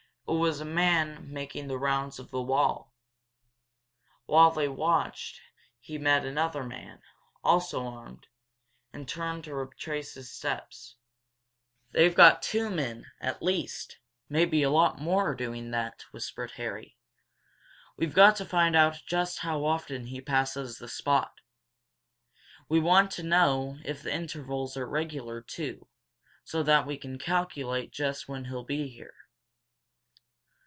It was a man making the rounds of the wall. While they watched he met another man, also armed, and turned to retrace this steps. "They've got two men, at least maybe a lot more, doing that," whispered Harry. "We've got to find out just how often he passes that spot. We want to know if the intervals are regular, too, so that we can calculate just when he'll be there."